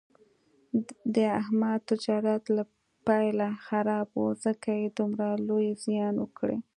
د احمد تجارت له پیله خراب و، ځکه یې دومره لوی زیان وکړ.